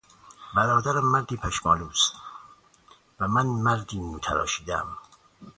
برادرم مردی پشمالو است و من مردی مو تراشیدهام.